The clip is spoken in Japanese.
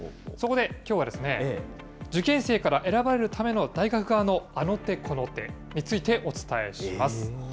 そこできょうはですね、受験生から選ばれるための大学側のあの手この手についてお伝えします。